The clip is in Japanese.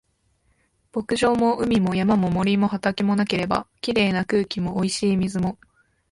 牧場も海も山も森も畑もなければ、綺麗な空気も美味しい水も